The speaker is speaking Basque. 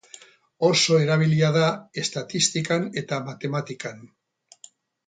Oso erabilia da estatistikan eta matematikan.